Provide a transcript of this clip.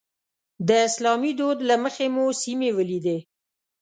د اسلامي دود له مخې مو سیمې ولیدې.